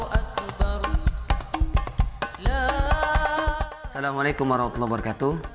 assalamualaikum warahmatullahi wabarakatuh